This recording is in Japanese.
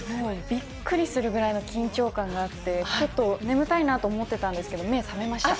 びっくりするぐらいの緊張感があって、ちょっと眠たいなと思ってたんですけど、目覚めました。